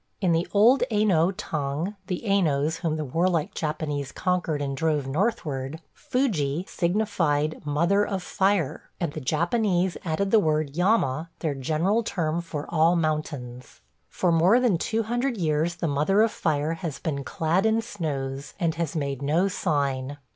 In the old Aino tongue – the Ainos whom the warlike Japanese conquered and drove northward – "Fuji" signified "Mother of Fire," and the Japanese added the word "yama," their general term for all mountains. For more than two hundred years the Mother of Fire has been clad in snows and has made no sign.